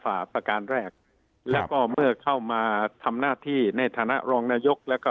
ประการแรกแล้วก็เมื่อเข้ามาทำหน้าที่ในฐานะรองนายกแล้วก็